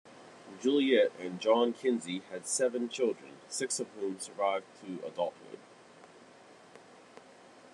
Juliette and John Kinzie had seven children, six of whom survived to adulthood.